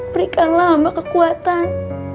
berikanlah hamba kekuatan